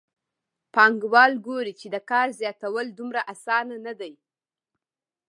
پانګوال ګوري چې د کار زیاتول دومره اسانه نه دي